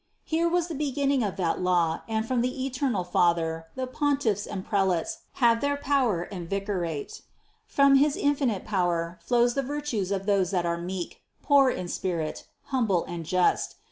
Here was the beginning of that law and from the eternal Father the pontiffs and prelates 114 CITY OF GOD have their power and their vicariate. From his infinite power flows the virtues of those that are meek, poor in spirit, humble and just.